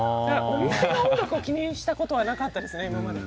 お店の音楽を気にしたことはなかったですね、今まで。